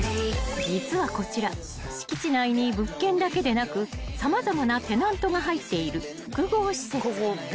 ［実はこちら敷地内に物件だけでなく様々なテナントが入っている複合施設］